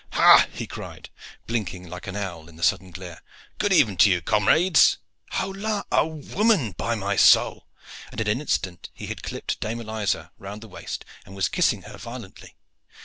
"Ha!" he cried, blinking like an owl in the sudden glare. "Good even to you, comrades! Hola! a woman, by my soul!" and in an instant he had clipped Dame Eliza round the waist and was kissing her violently.